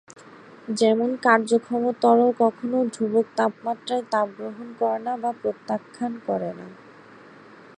যেমন, কার্যক্ষম তরল কখনও ধ্রুবক তাপমাত্রায় তাপ গ্রহণ করে না বা প্রত্যাখ্যান করে না।